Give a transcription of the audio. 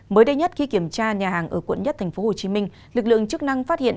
mới đây nhất khi kiểm tra nhà hàng ở quận một tp hcm lực lượng chức năng phát hiện